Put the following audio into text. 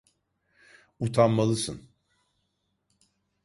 Utanmalısın!